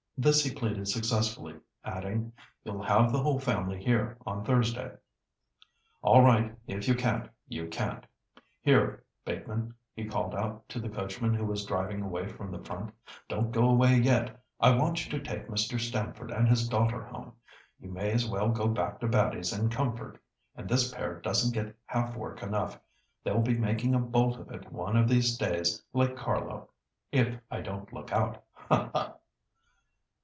This he pleaded successfully, adding, "You'll have the whole family here on Thursday." "All right, if you can't, you can't. Here, Bateman," he called out to the coachman who was driving away from the front, "don't go away yet. I want you to take Mr. Stamford and his daughter home. You may as well go back to Batty's in comfort, and this pair doesn't get half work enough. They'll be making a bolt of it one of these days like Carlo, if I don't look out. Ha, ha!"